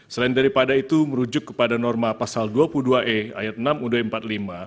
selain daripada itu merujuk kepada norma pasal dua puluh dua e ayat enam u dua puluh lima